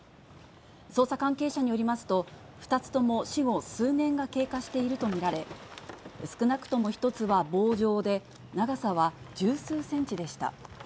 捜査関係者によりますと、２つとも死後数年が経過していると見られ、少なくとも１つは棒状で、長さは十数センチでした。